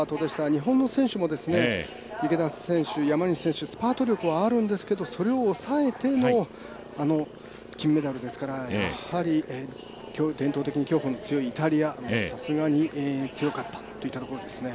日本の選手も池田選手、山西選手スパート力はあるんですけど、それを抑えての金メダルですからやはり伝統的に競歩の強いイタリアさすがに強かったといったところですね。